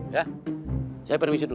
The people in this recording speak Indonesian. ya saya permisi dulu